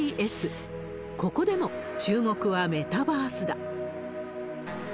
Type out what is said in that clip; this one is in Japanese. ここでも注目はメタバースだ。